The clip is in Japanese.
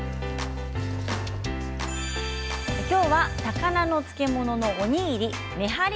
今日は高菜の漬物のおにぎりめはり